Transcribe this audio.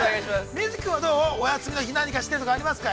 ◆瑞稀君は、お休みの日に何かしてるとかありますか。